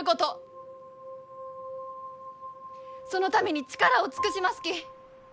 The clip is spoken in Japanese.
そのために力を尽くしますき。